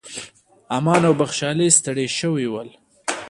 امان او بخشالۍ ستړي شوي ول.